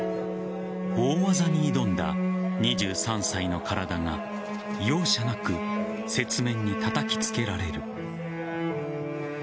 大技に挑んだ２３歳の体が容赦なく雪面にたたきつけられる。